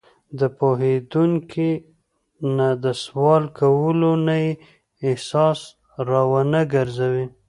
له پوهېدونکي نه د سوال کولو نه یې احساس را ونهګرځوي.